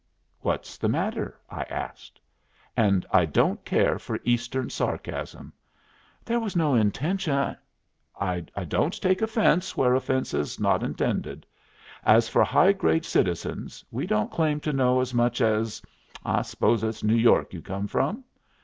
"What's the matter?" I asked. "And I don't care for Eastern sarcasm." "There was no intention " "I don't take offence where offence is not intended. As for high grade citizens, we don't claim to know as much as I suppose it's New York you come from?